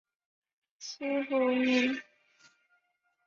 七女湖起义旧址的历史年代为清代。